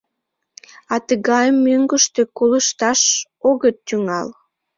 А тыгайым мӧҥгыштӧ колышташ огыт тӱҥал.